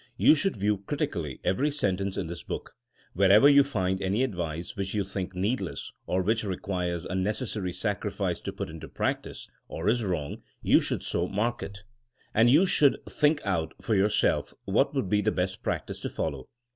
You should view critically every sentence in this book. Wher ever you find any advice which you think need less, or which requires unnecessary sacrifice to put into practice, or is wrong, you should so mark it. And you should think out for your self what would be the best practice to follow.